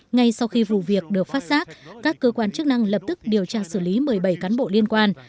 ngay sau khi vụ việc được phát giác các cơ quan chức năng lập tức điều tra xử lý một mươi bảy cán bộ liên quan